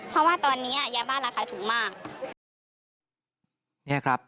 เพราะว่าตอนนี้ยาบ้านราคาถูกมาก